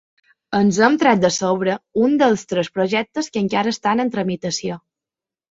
Ens hem tret de sobre un dels tres projectes que encara estan en tramitació.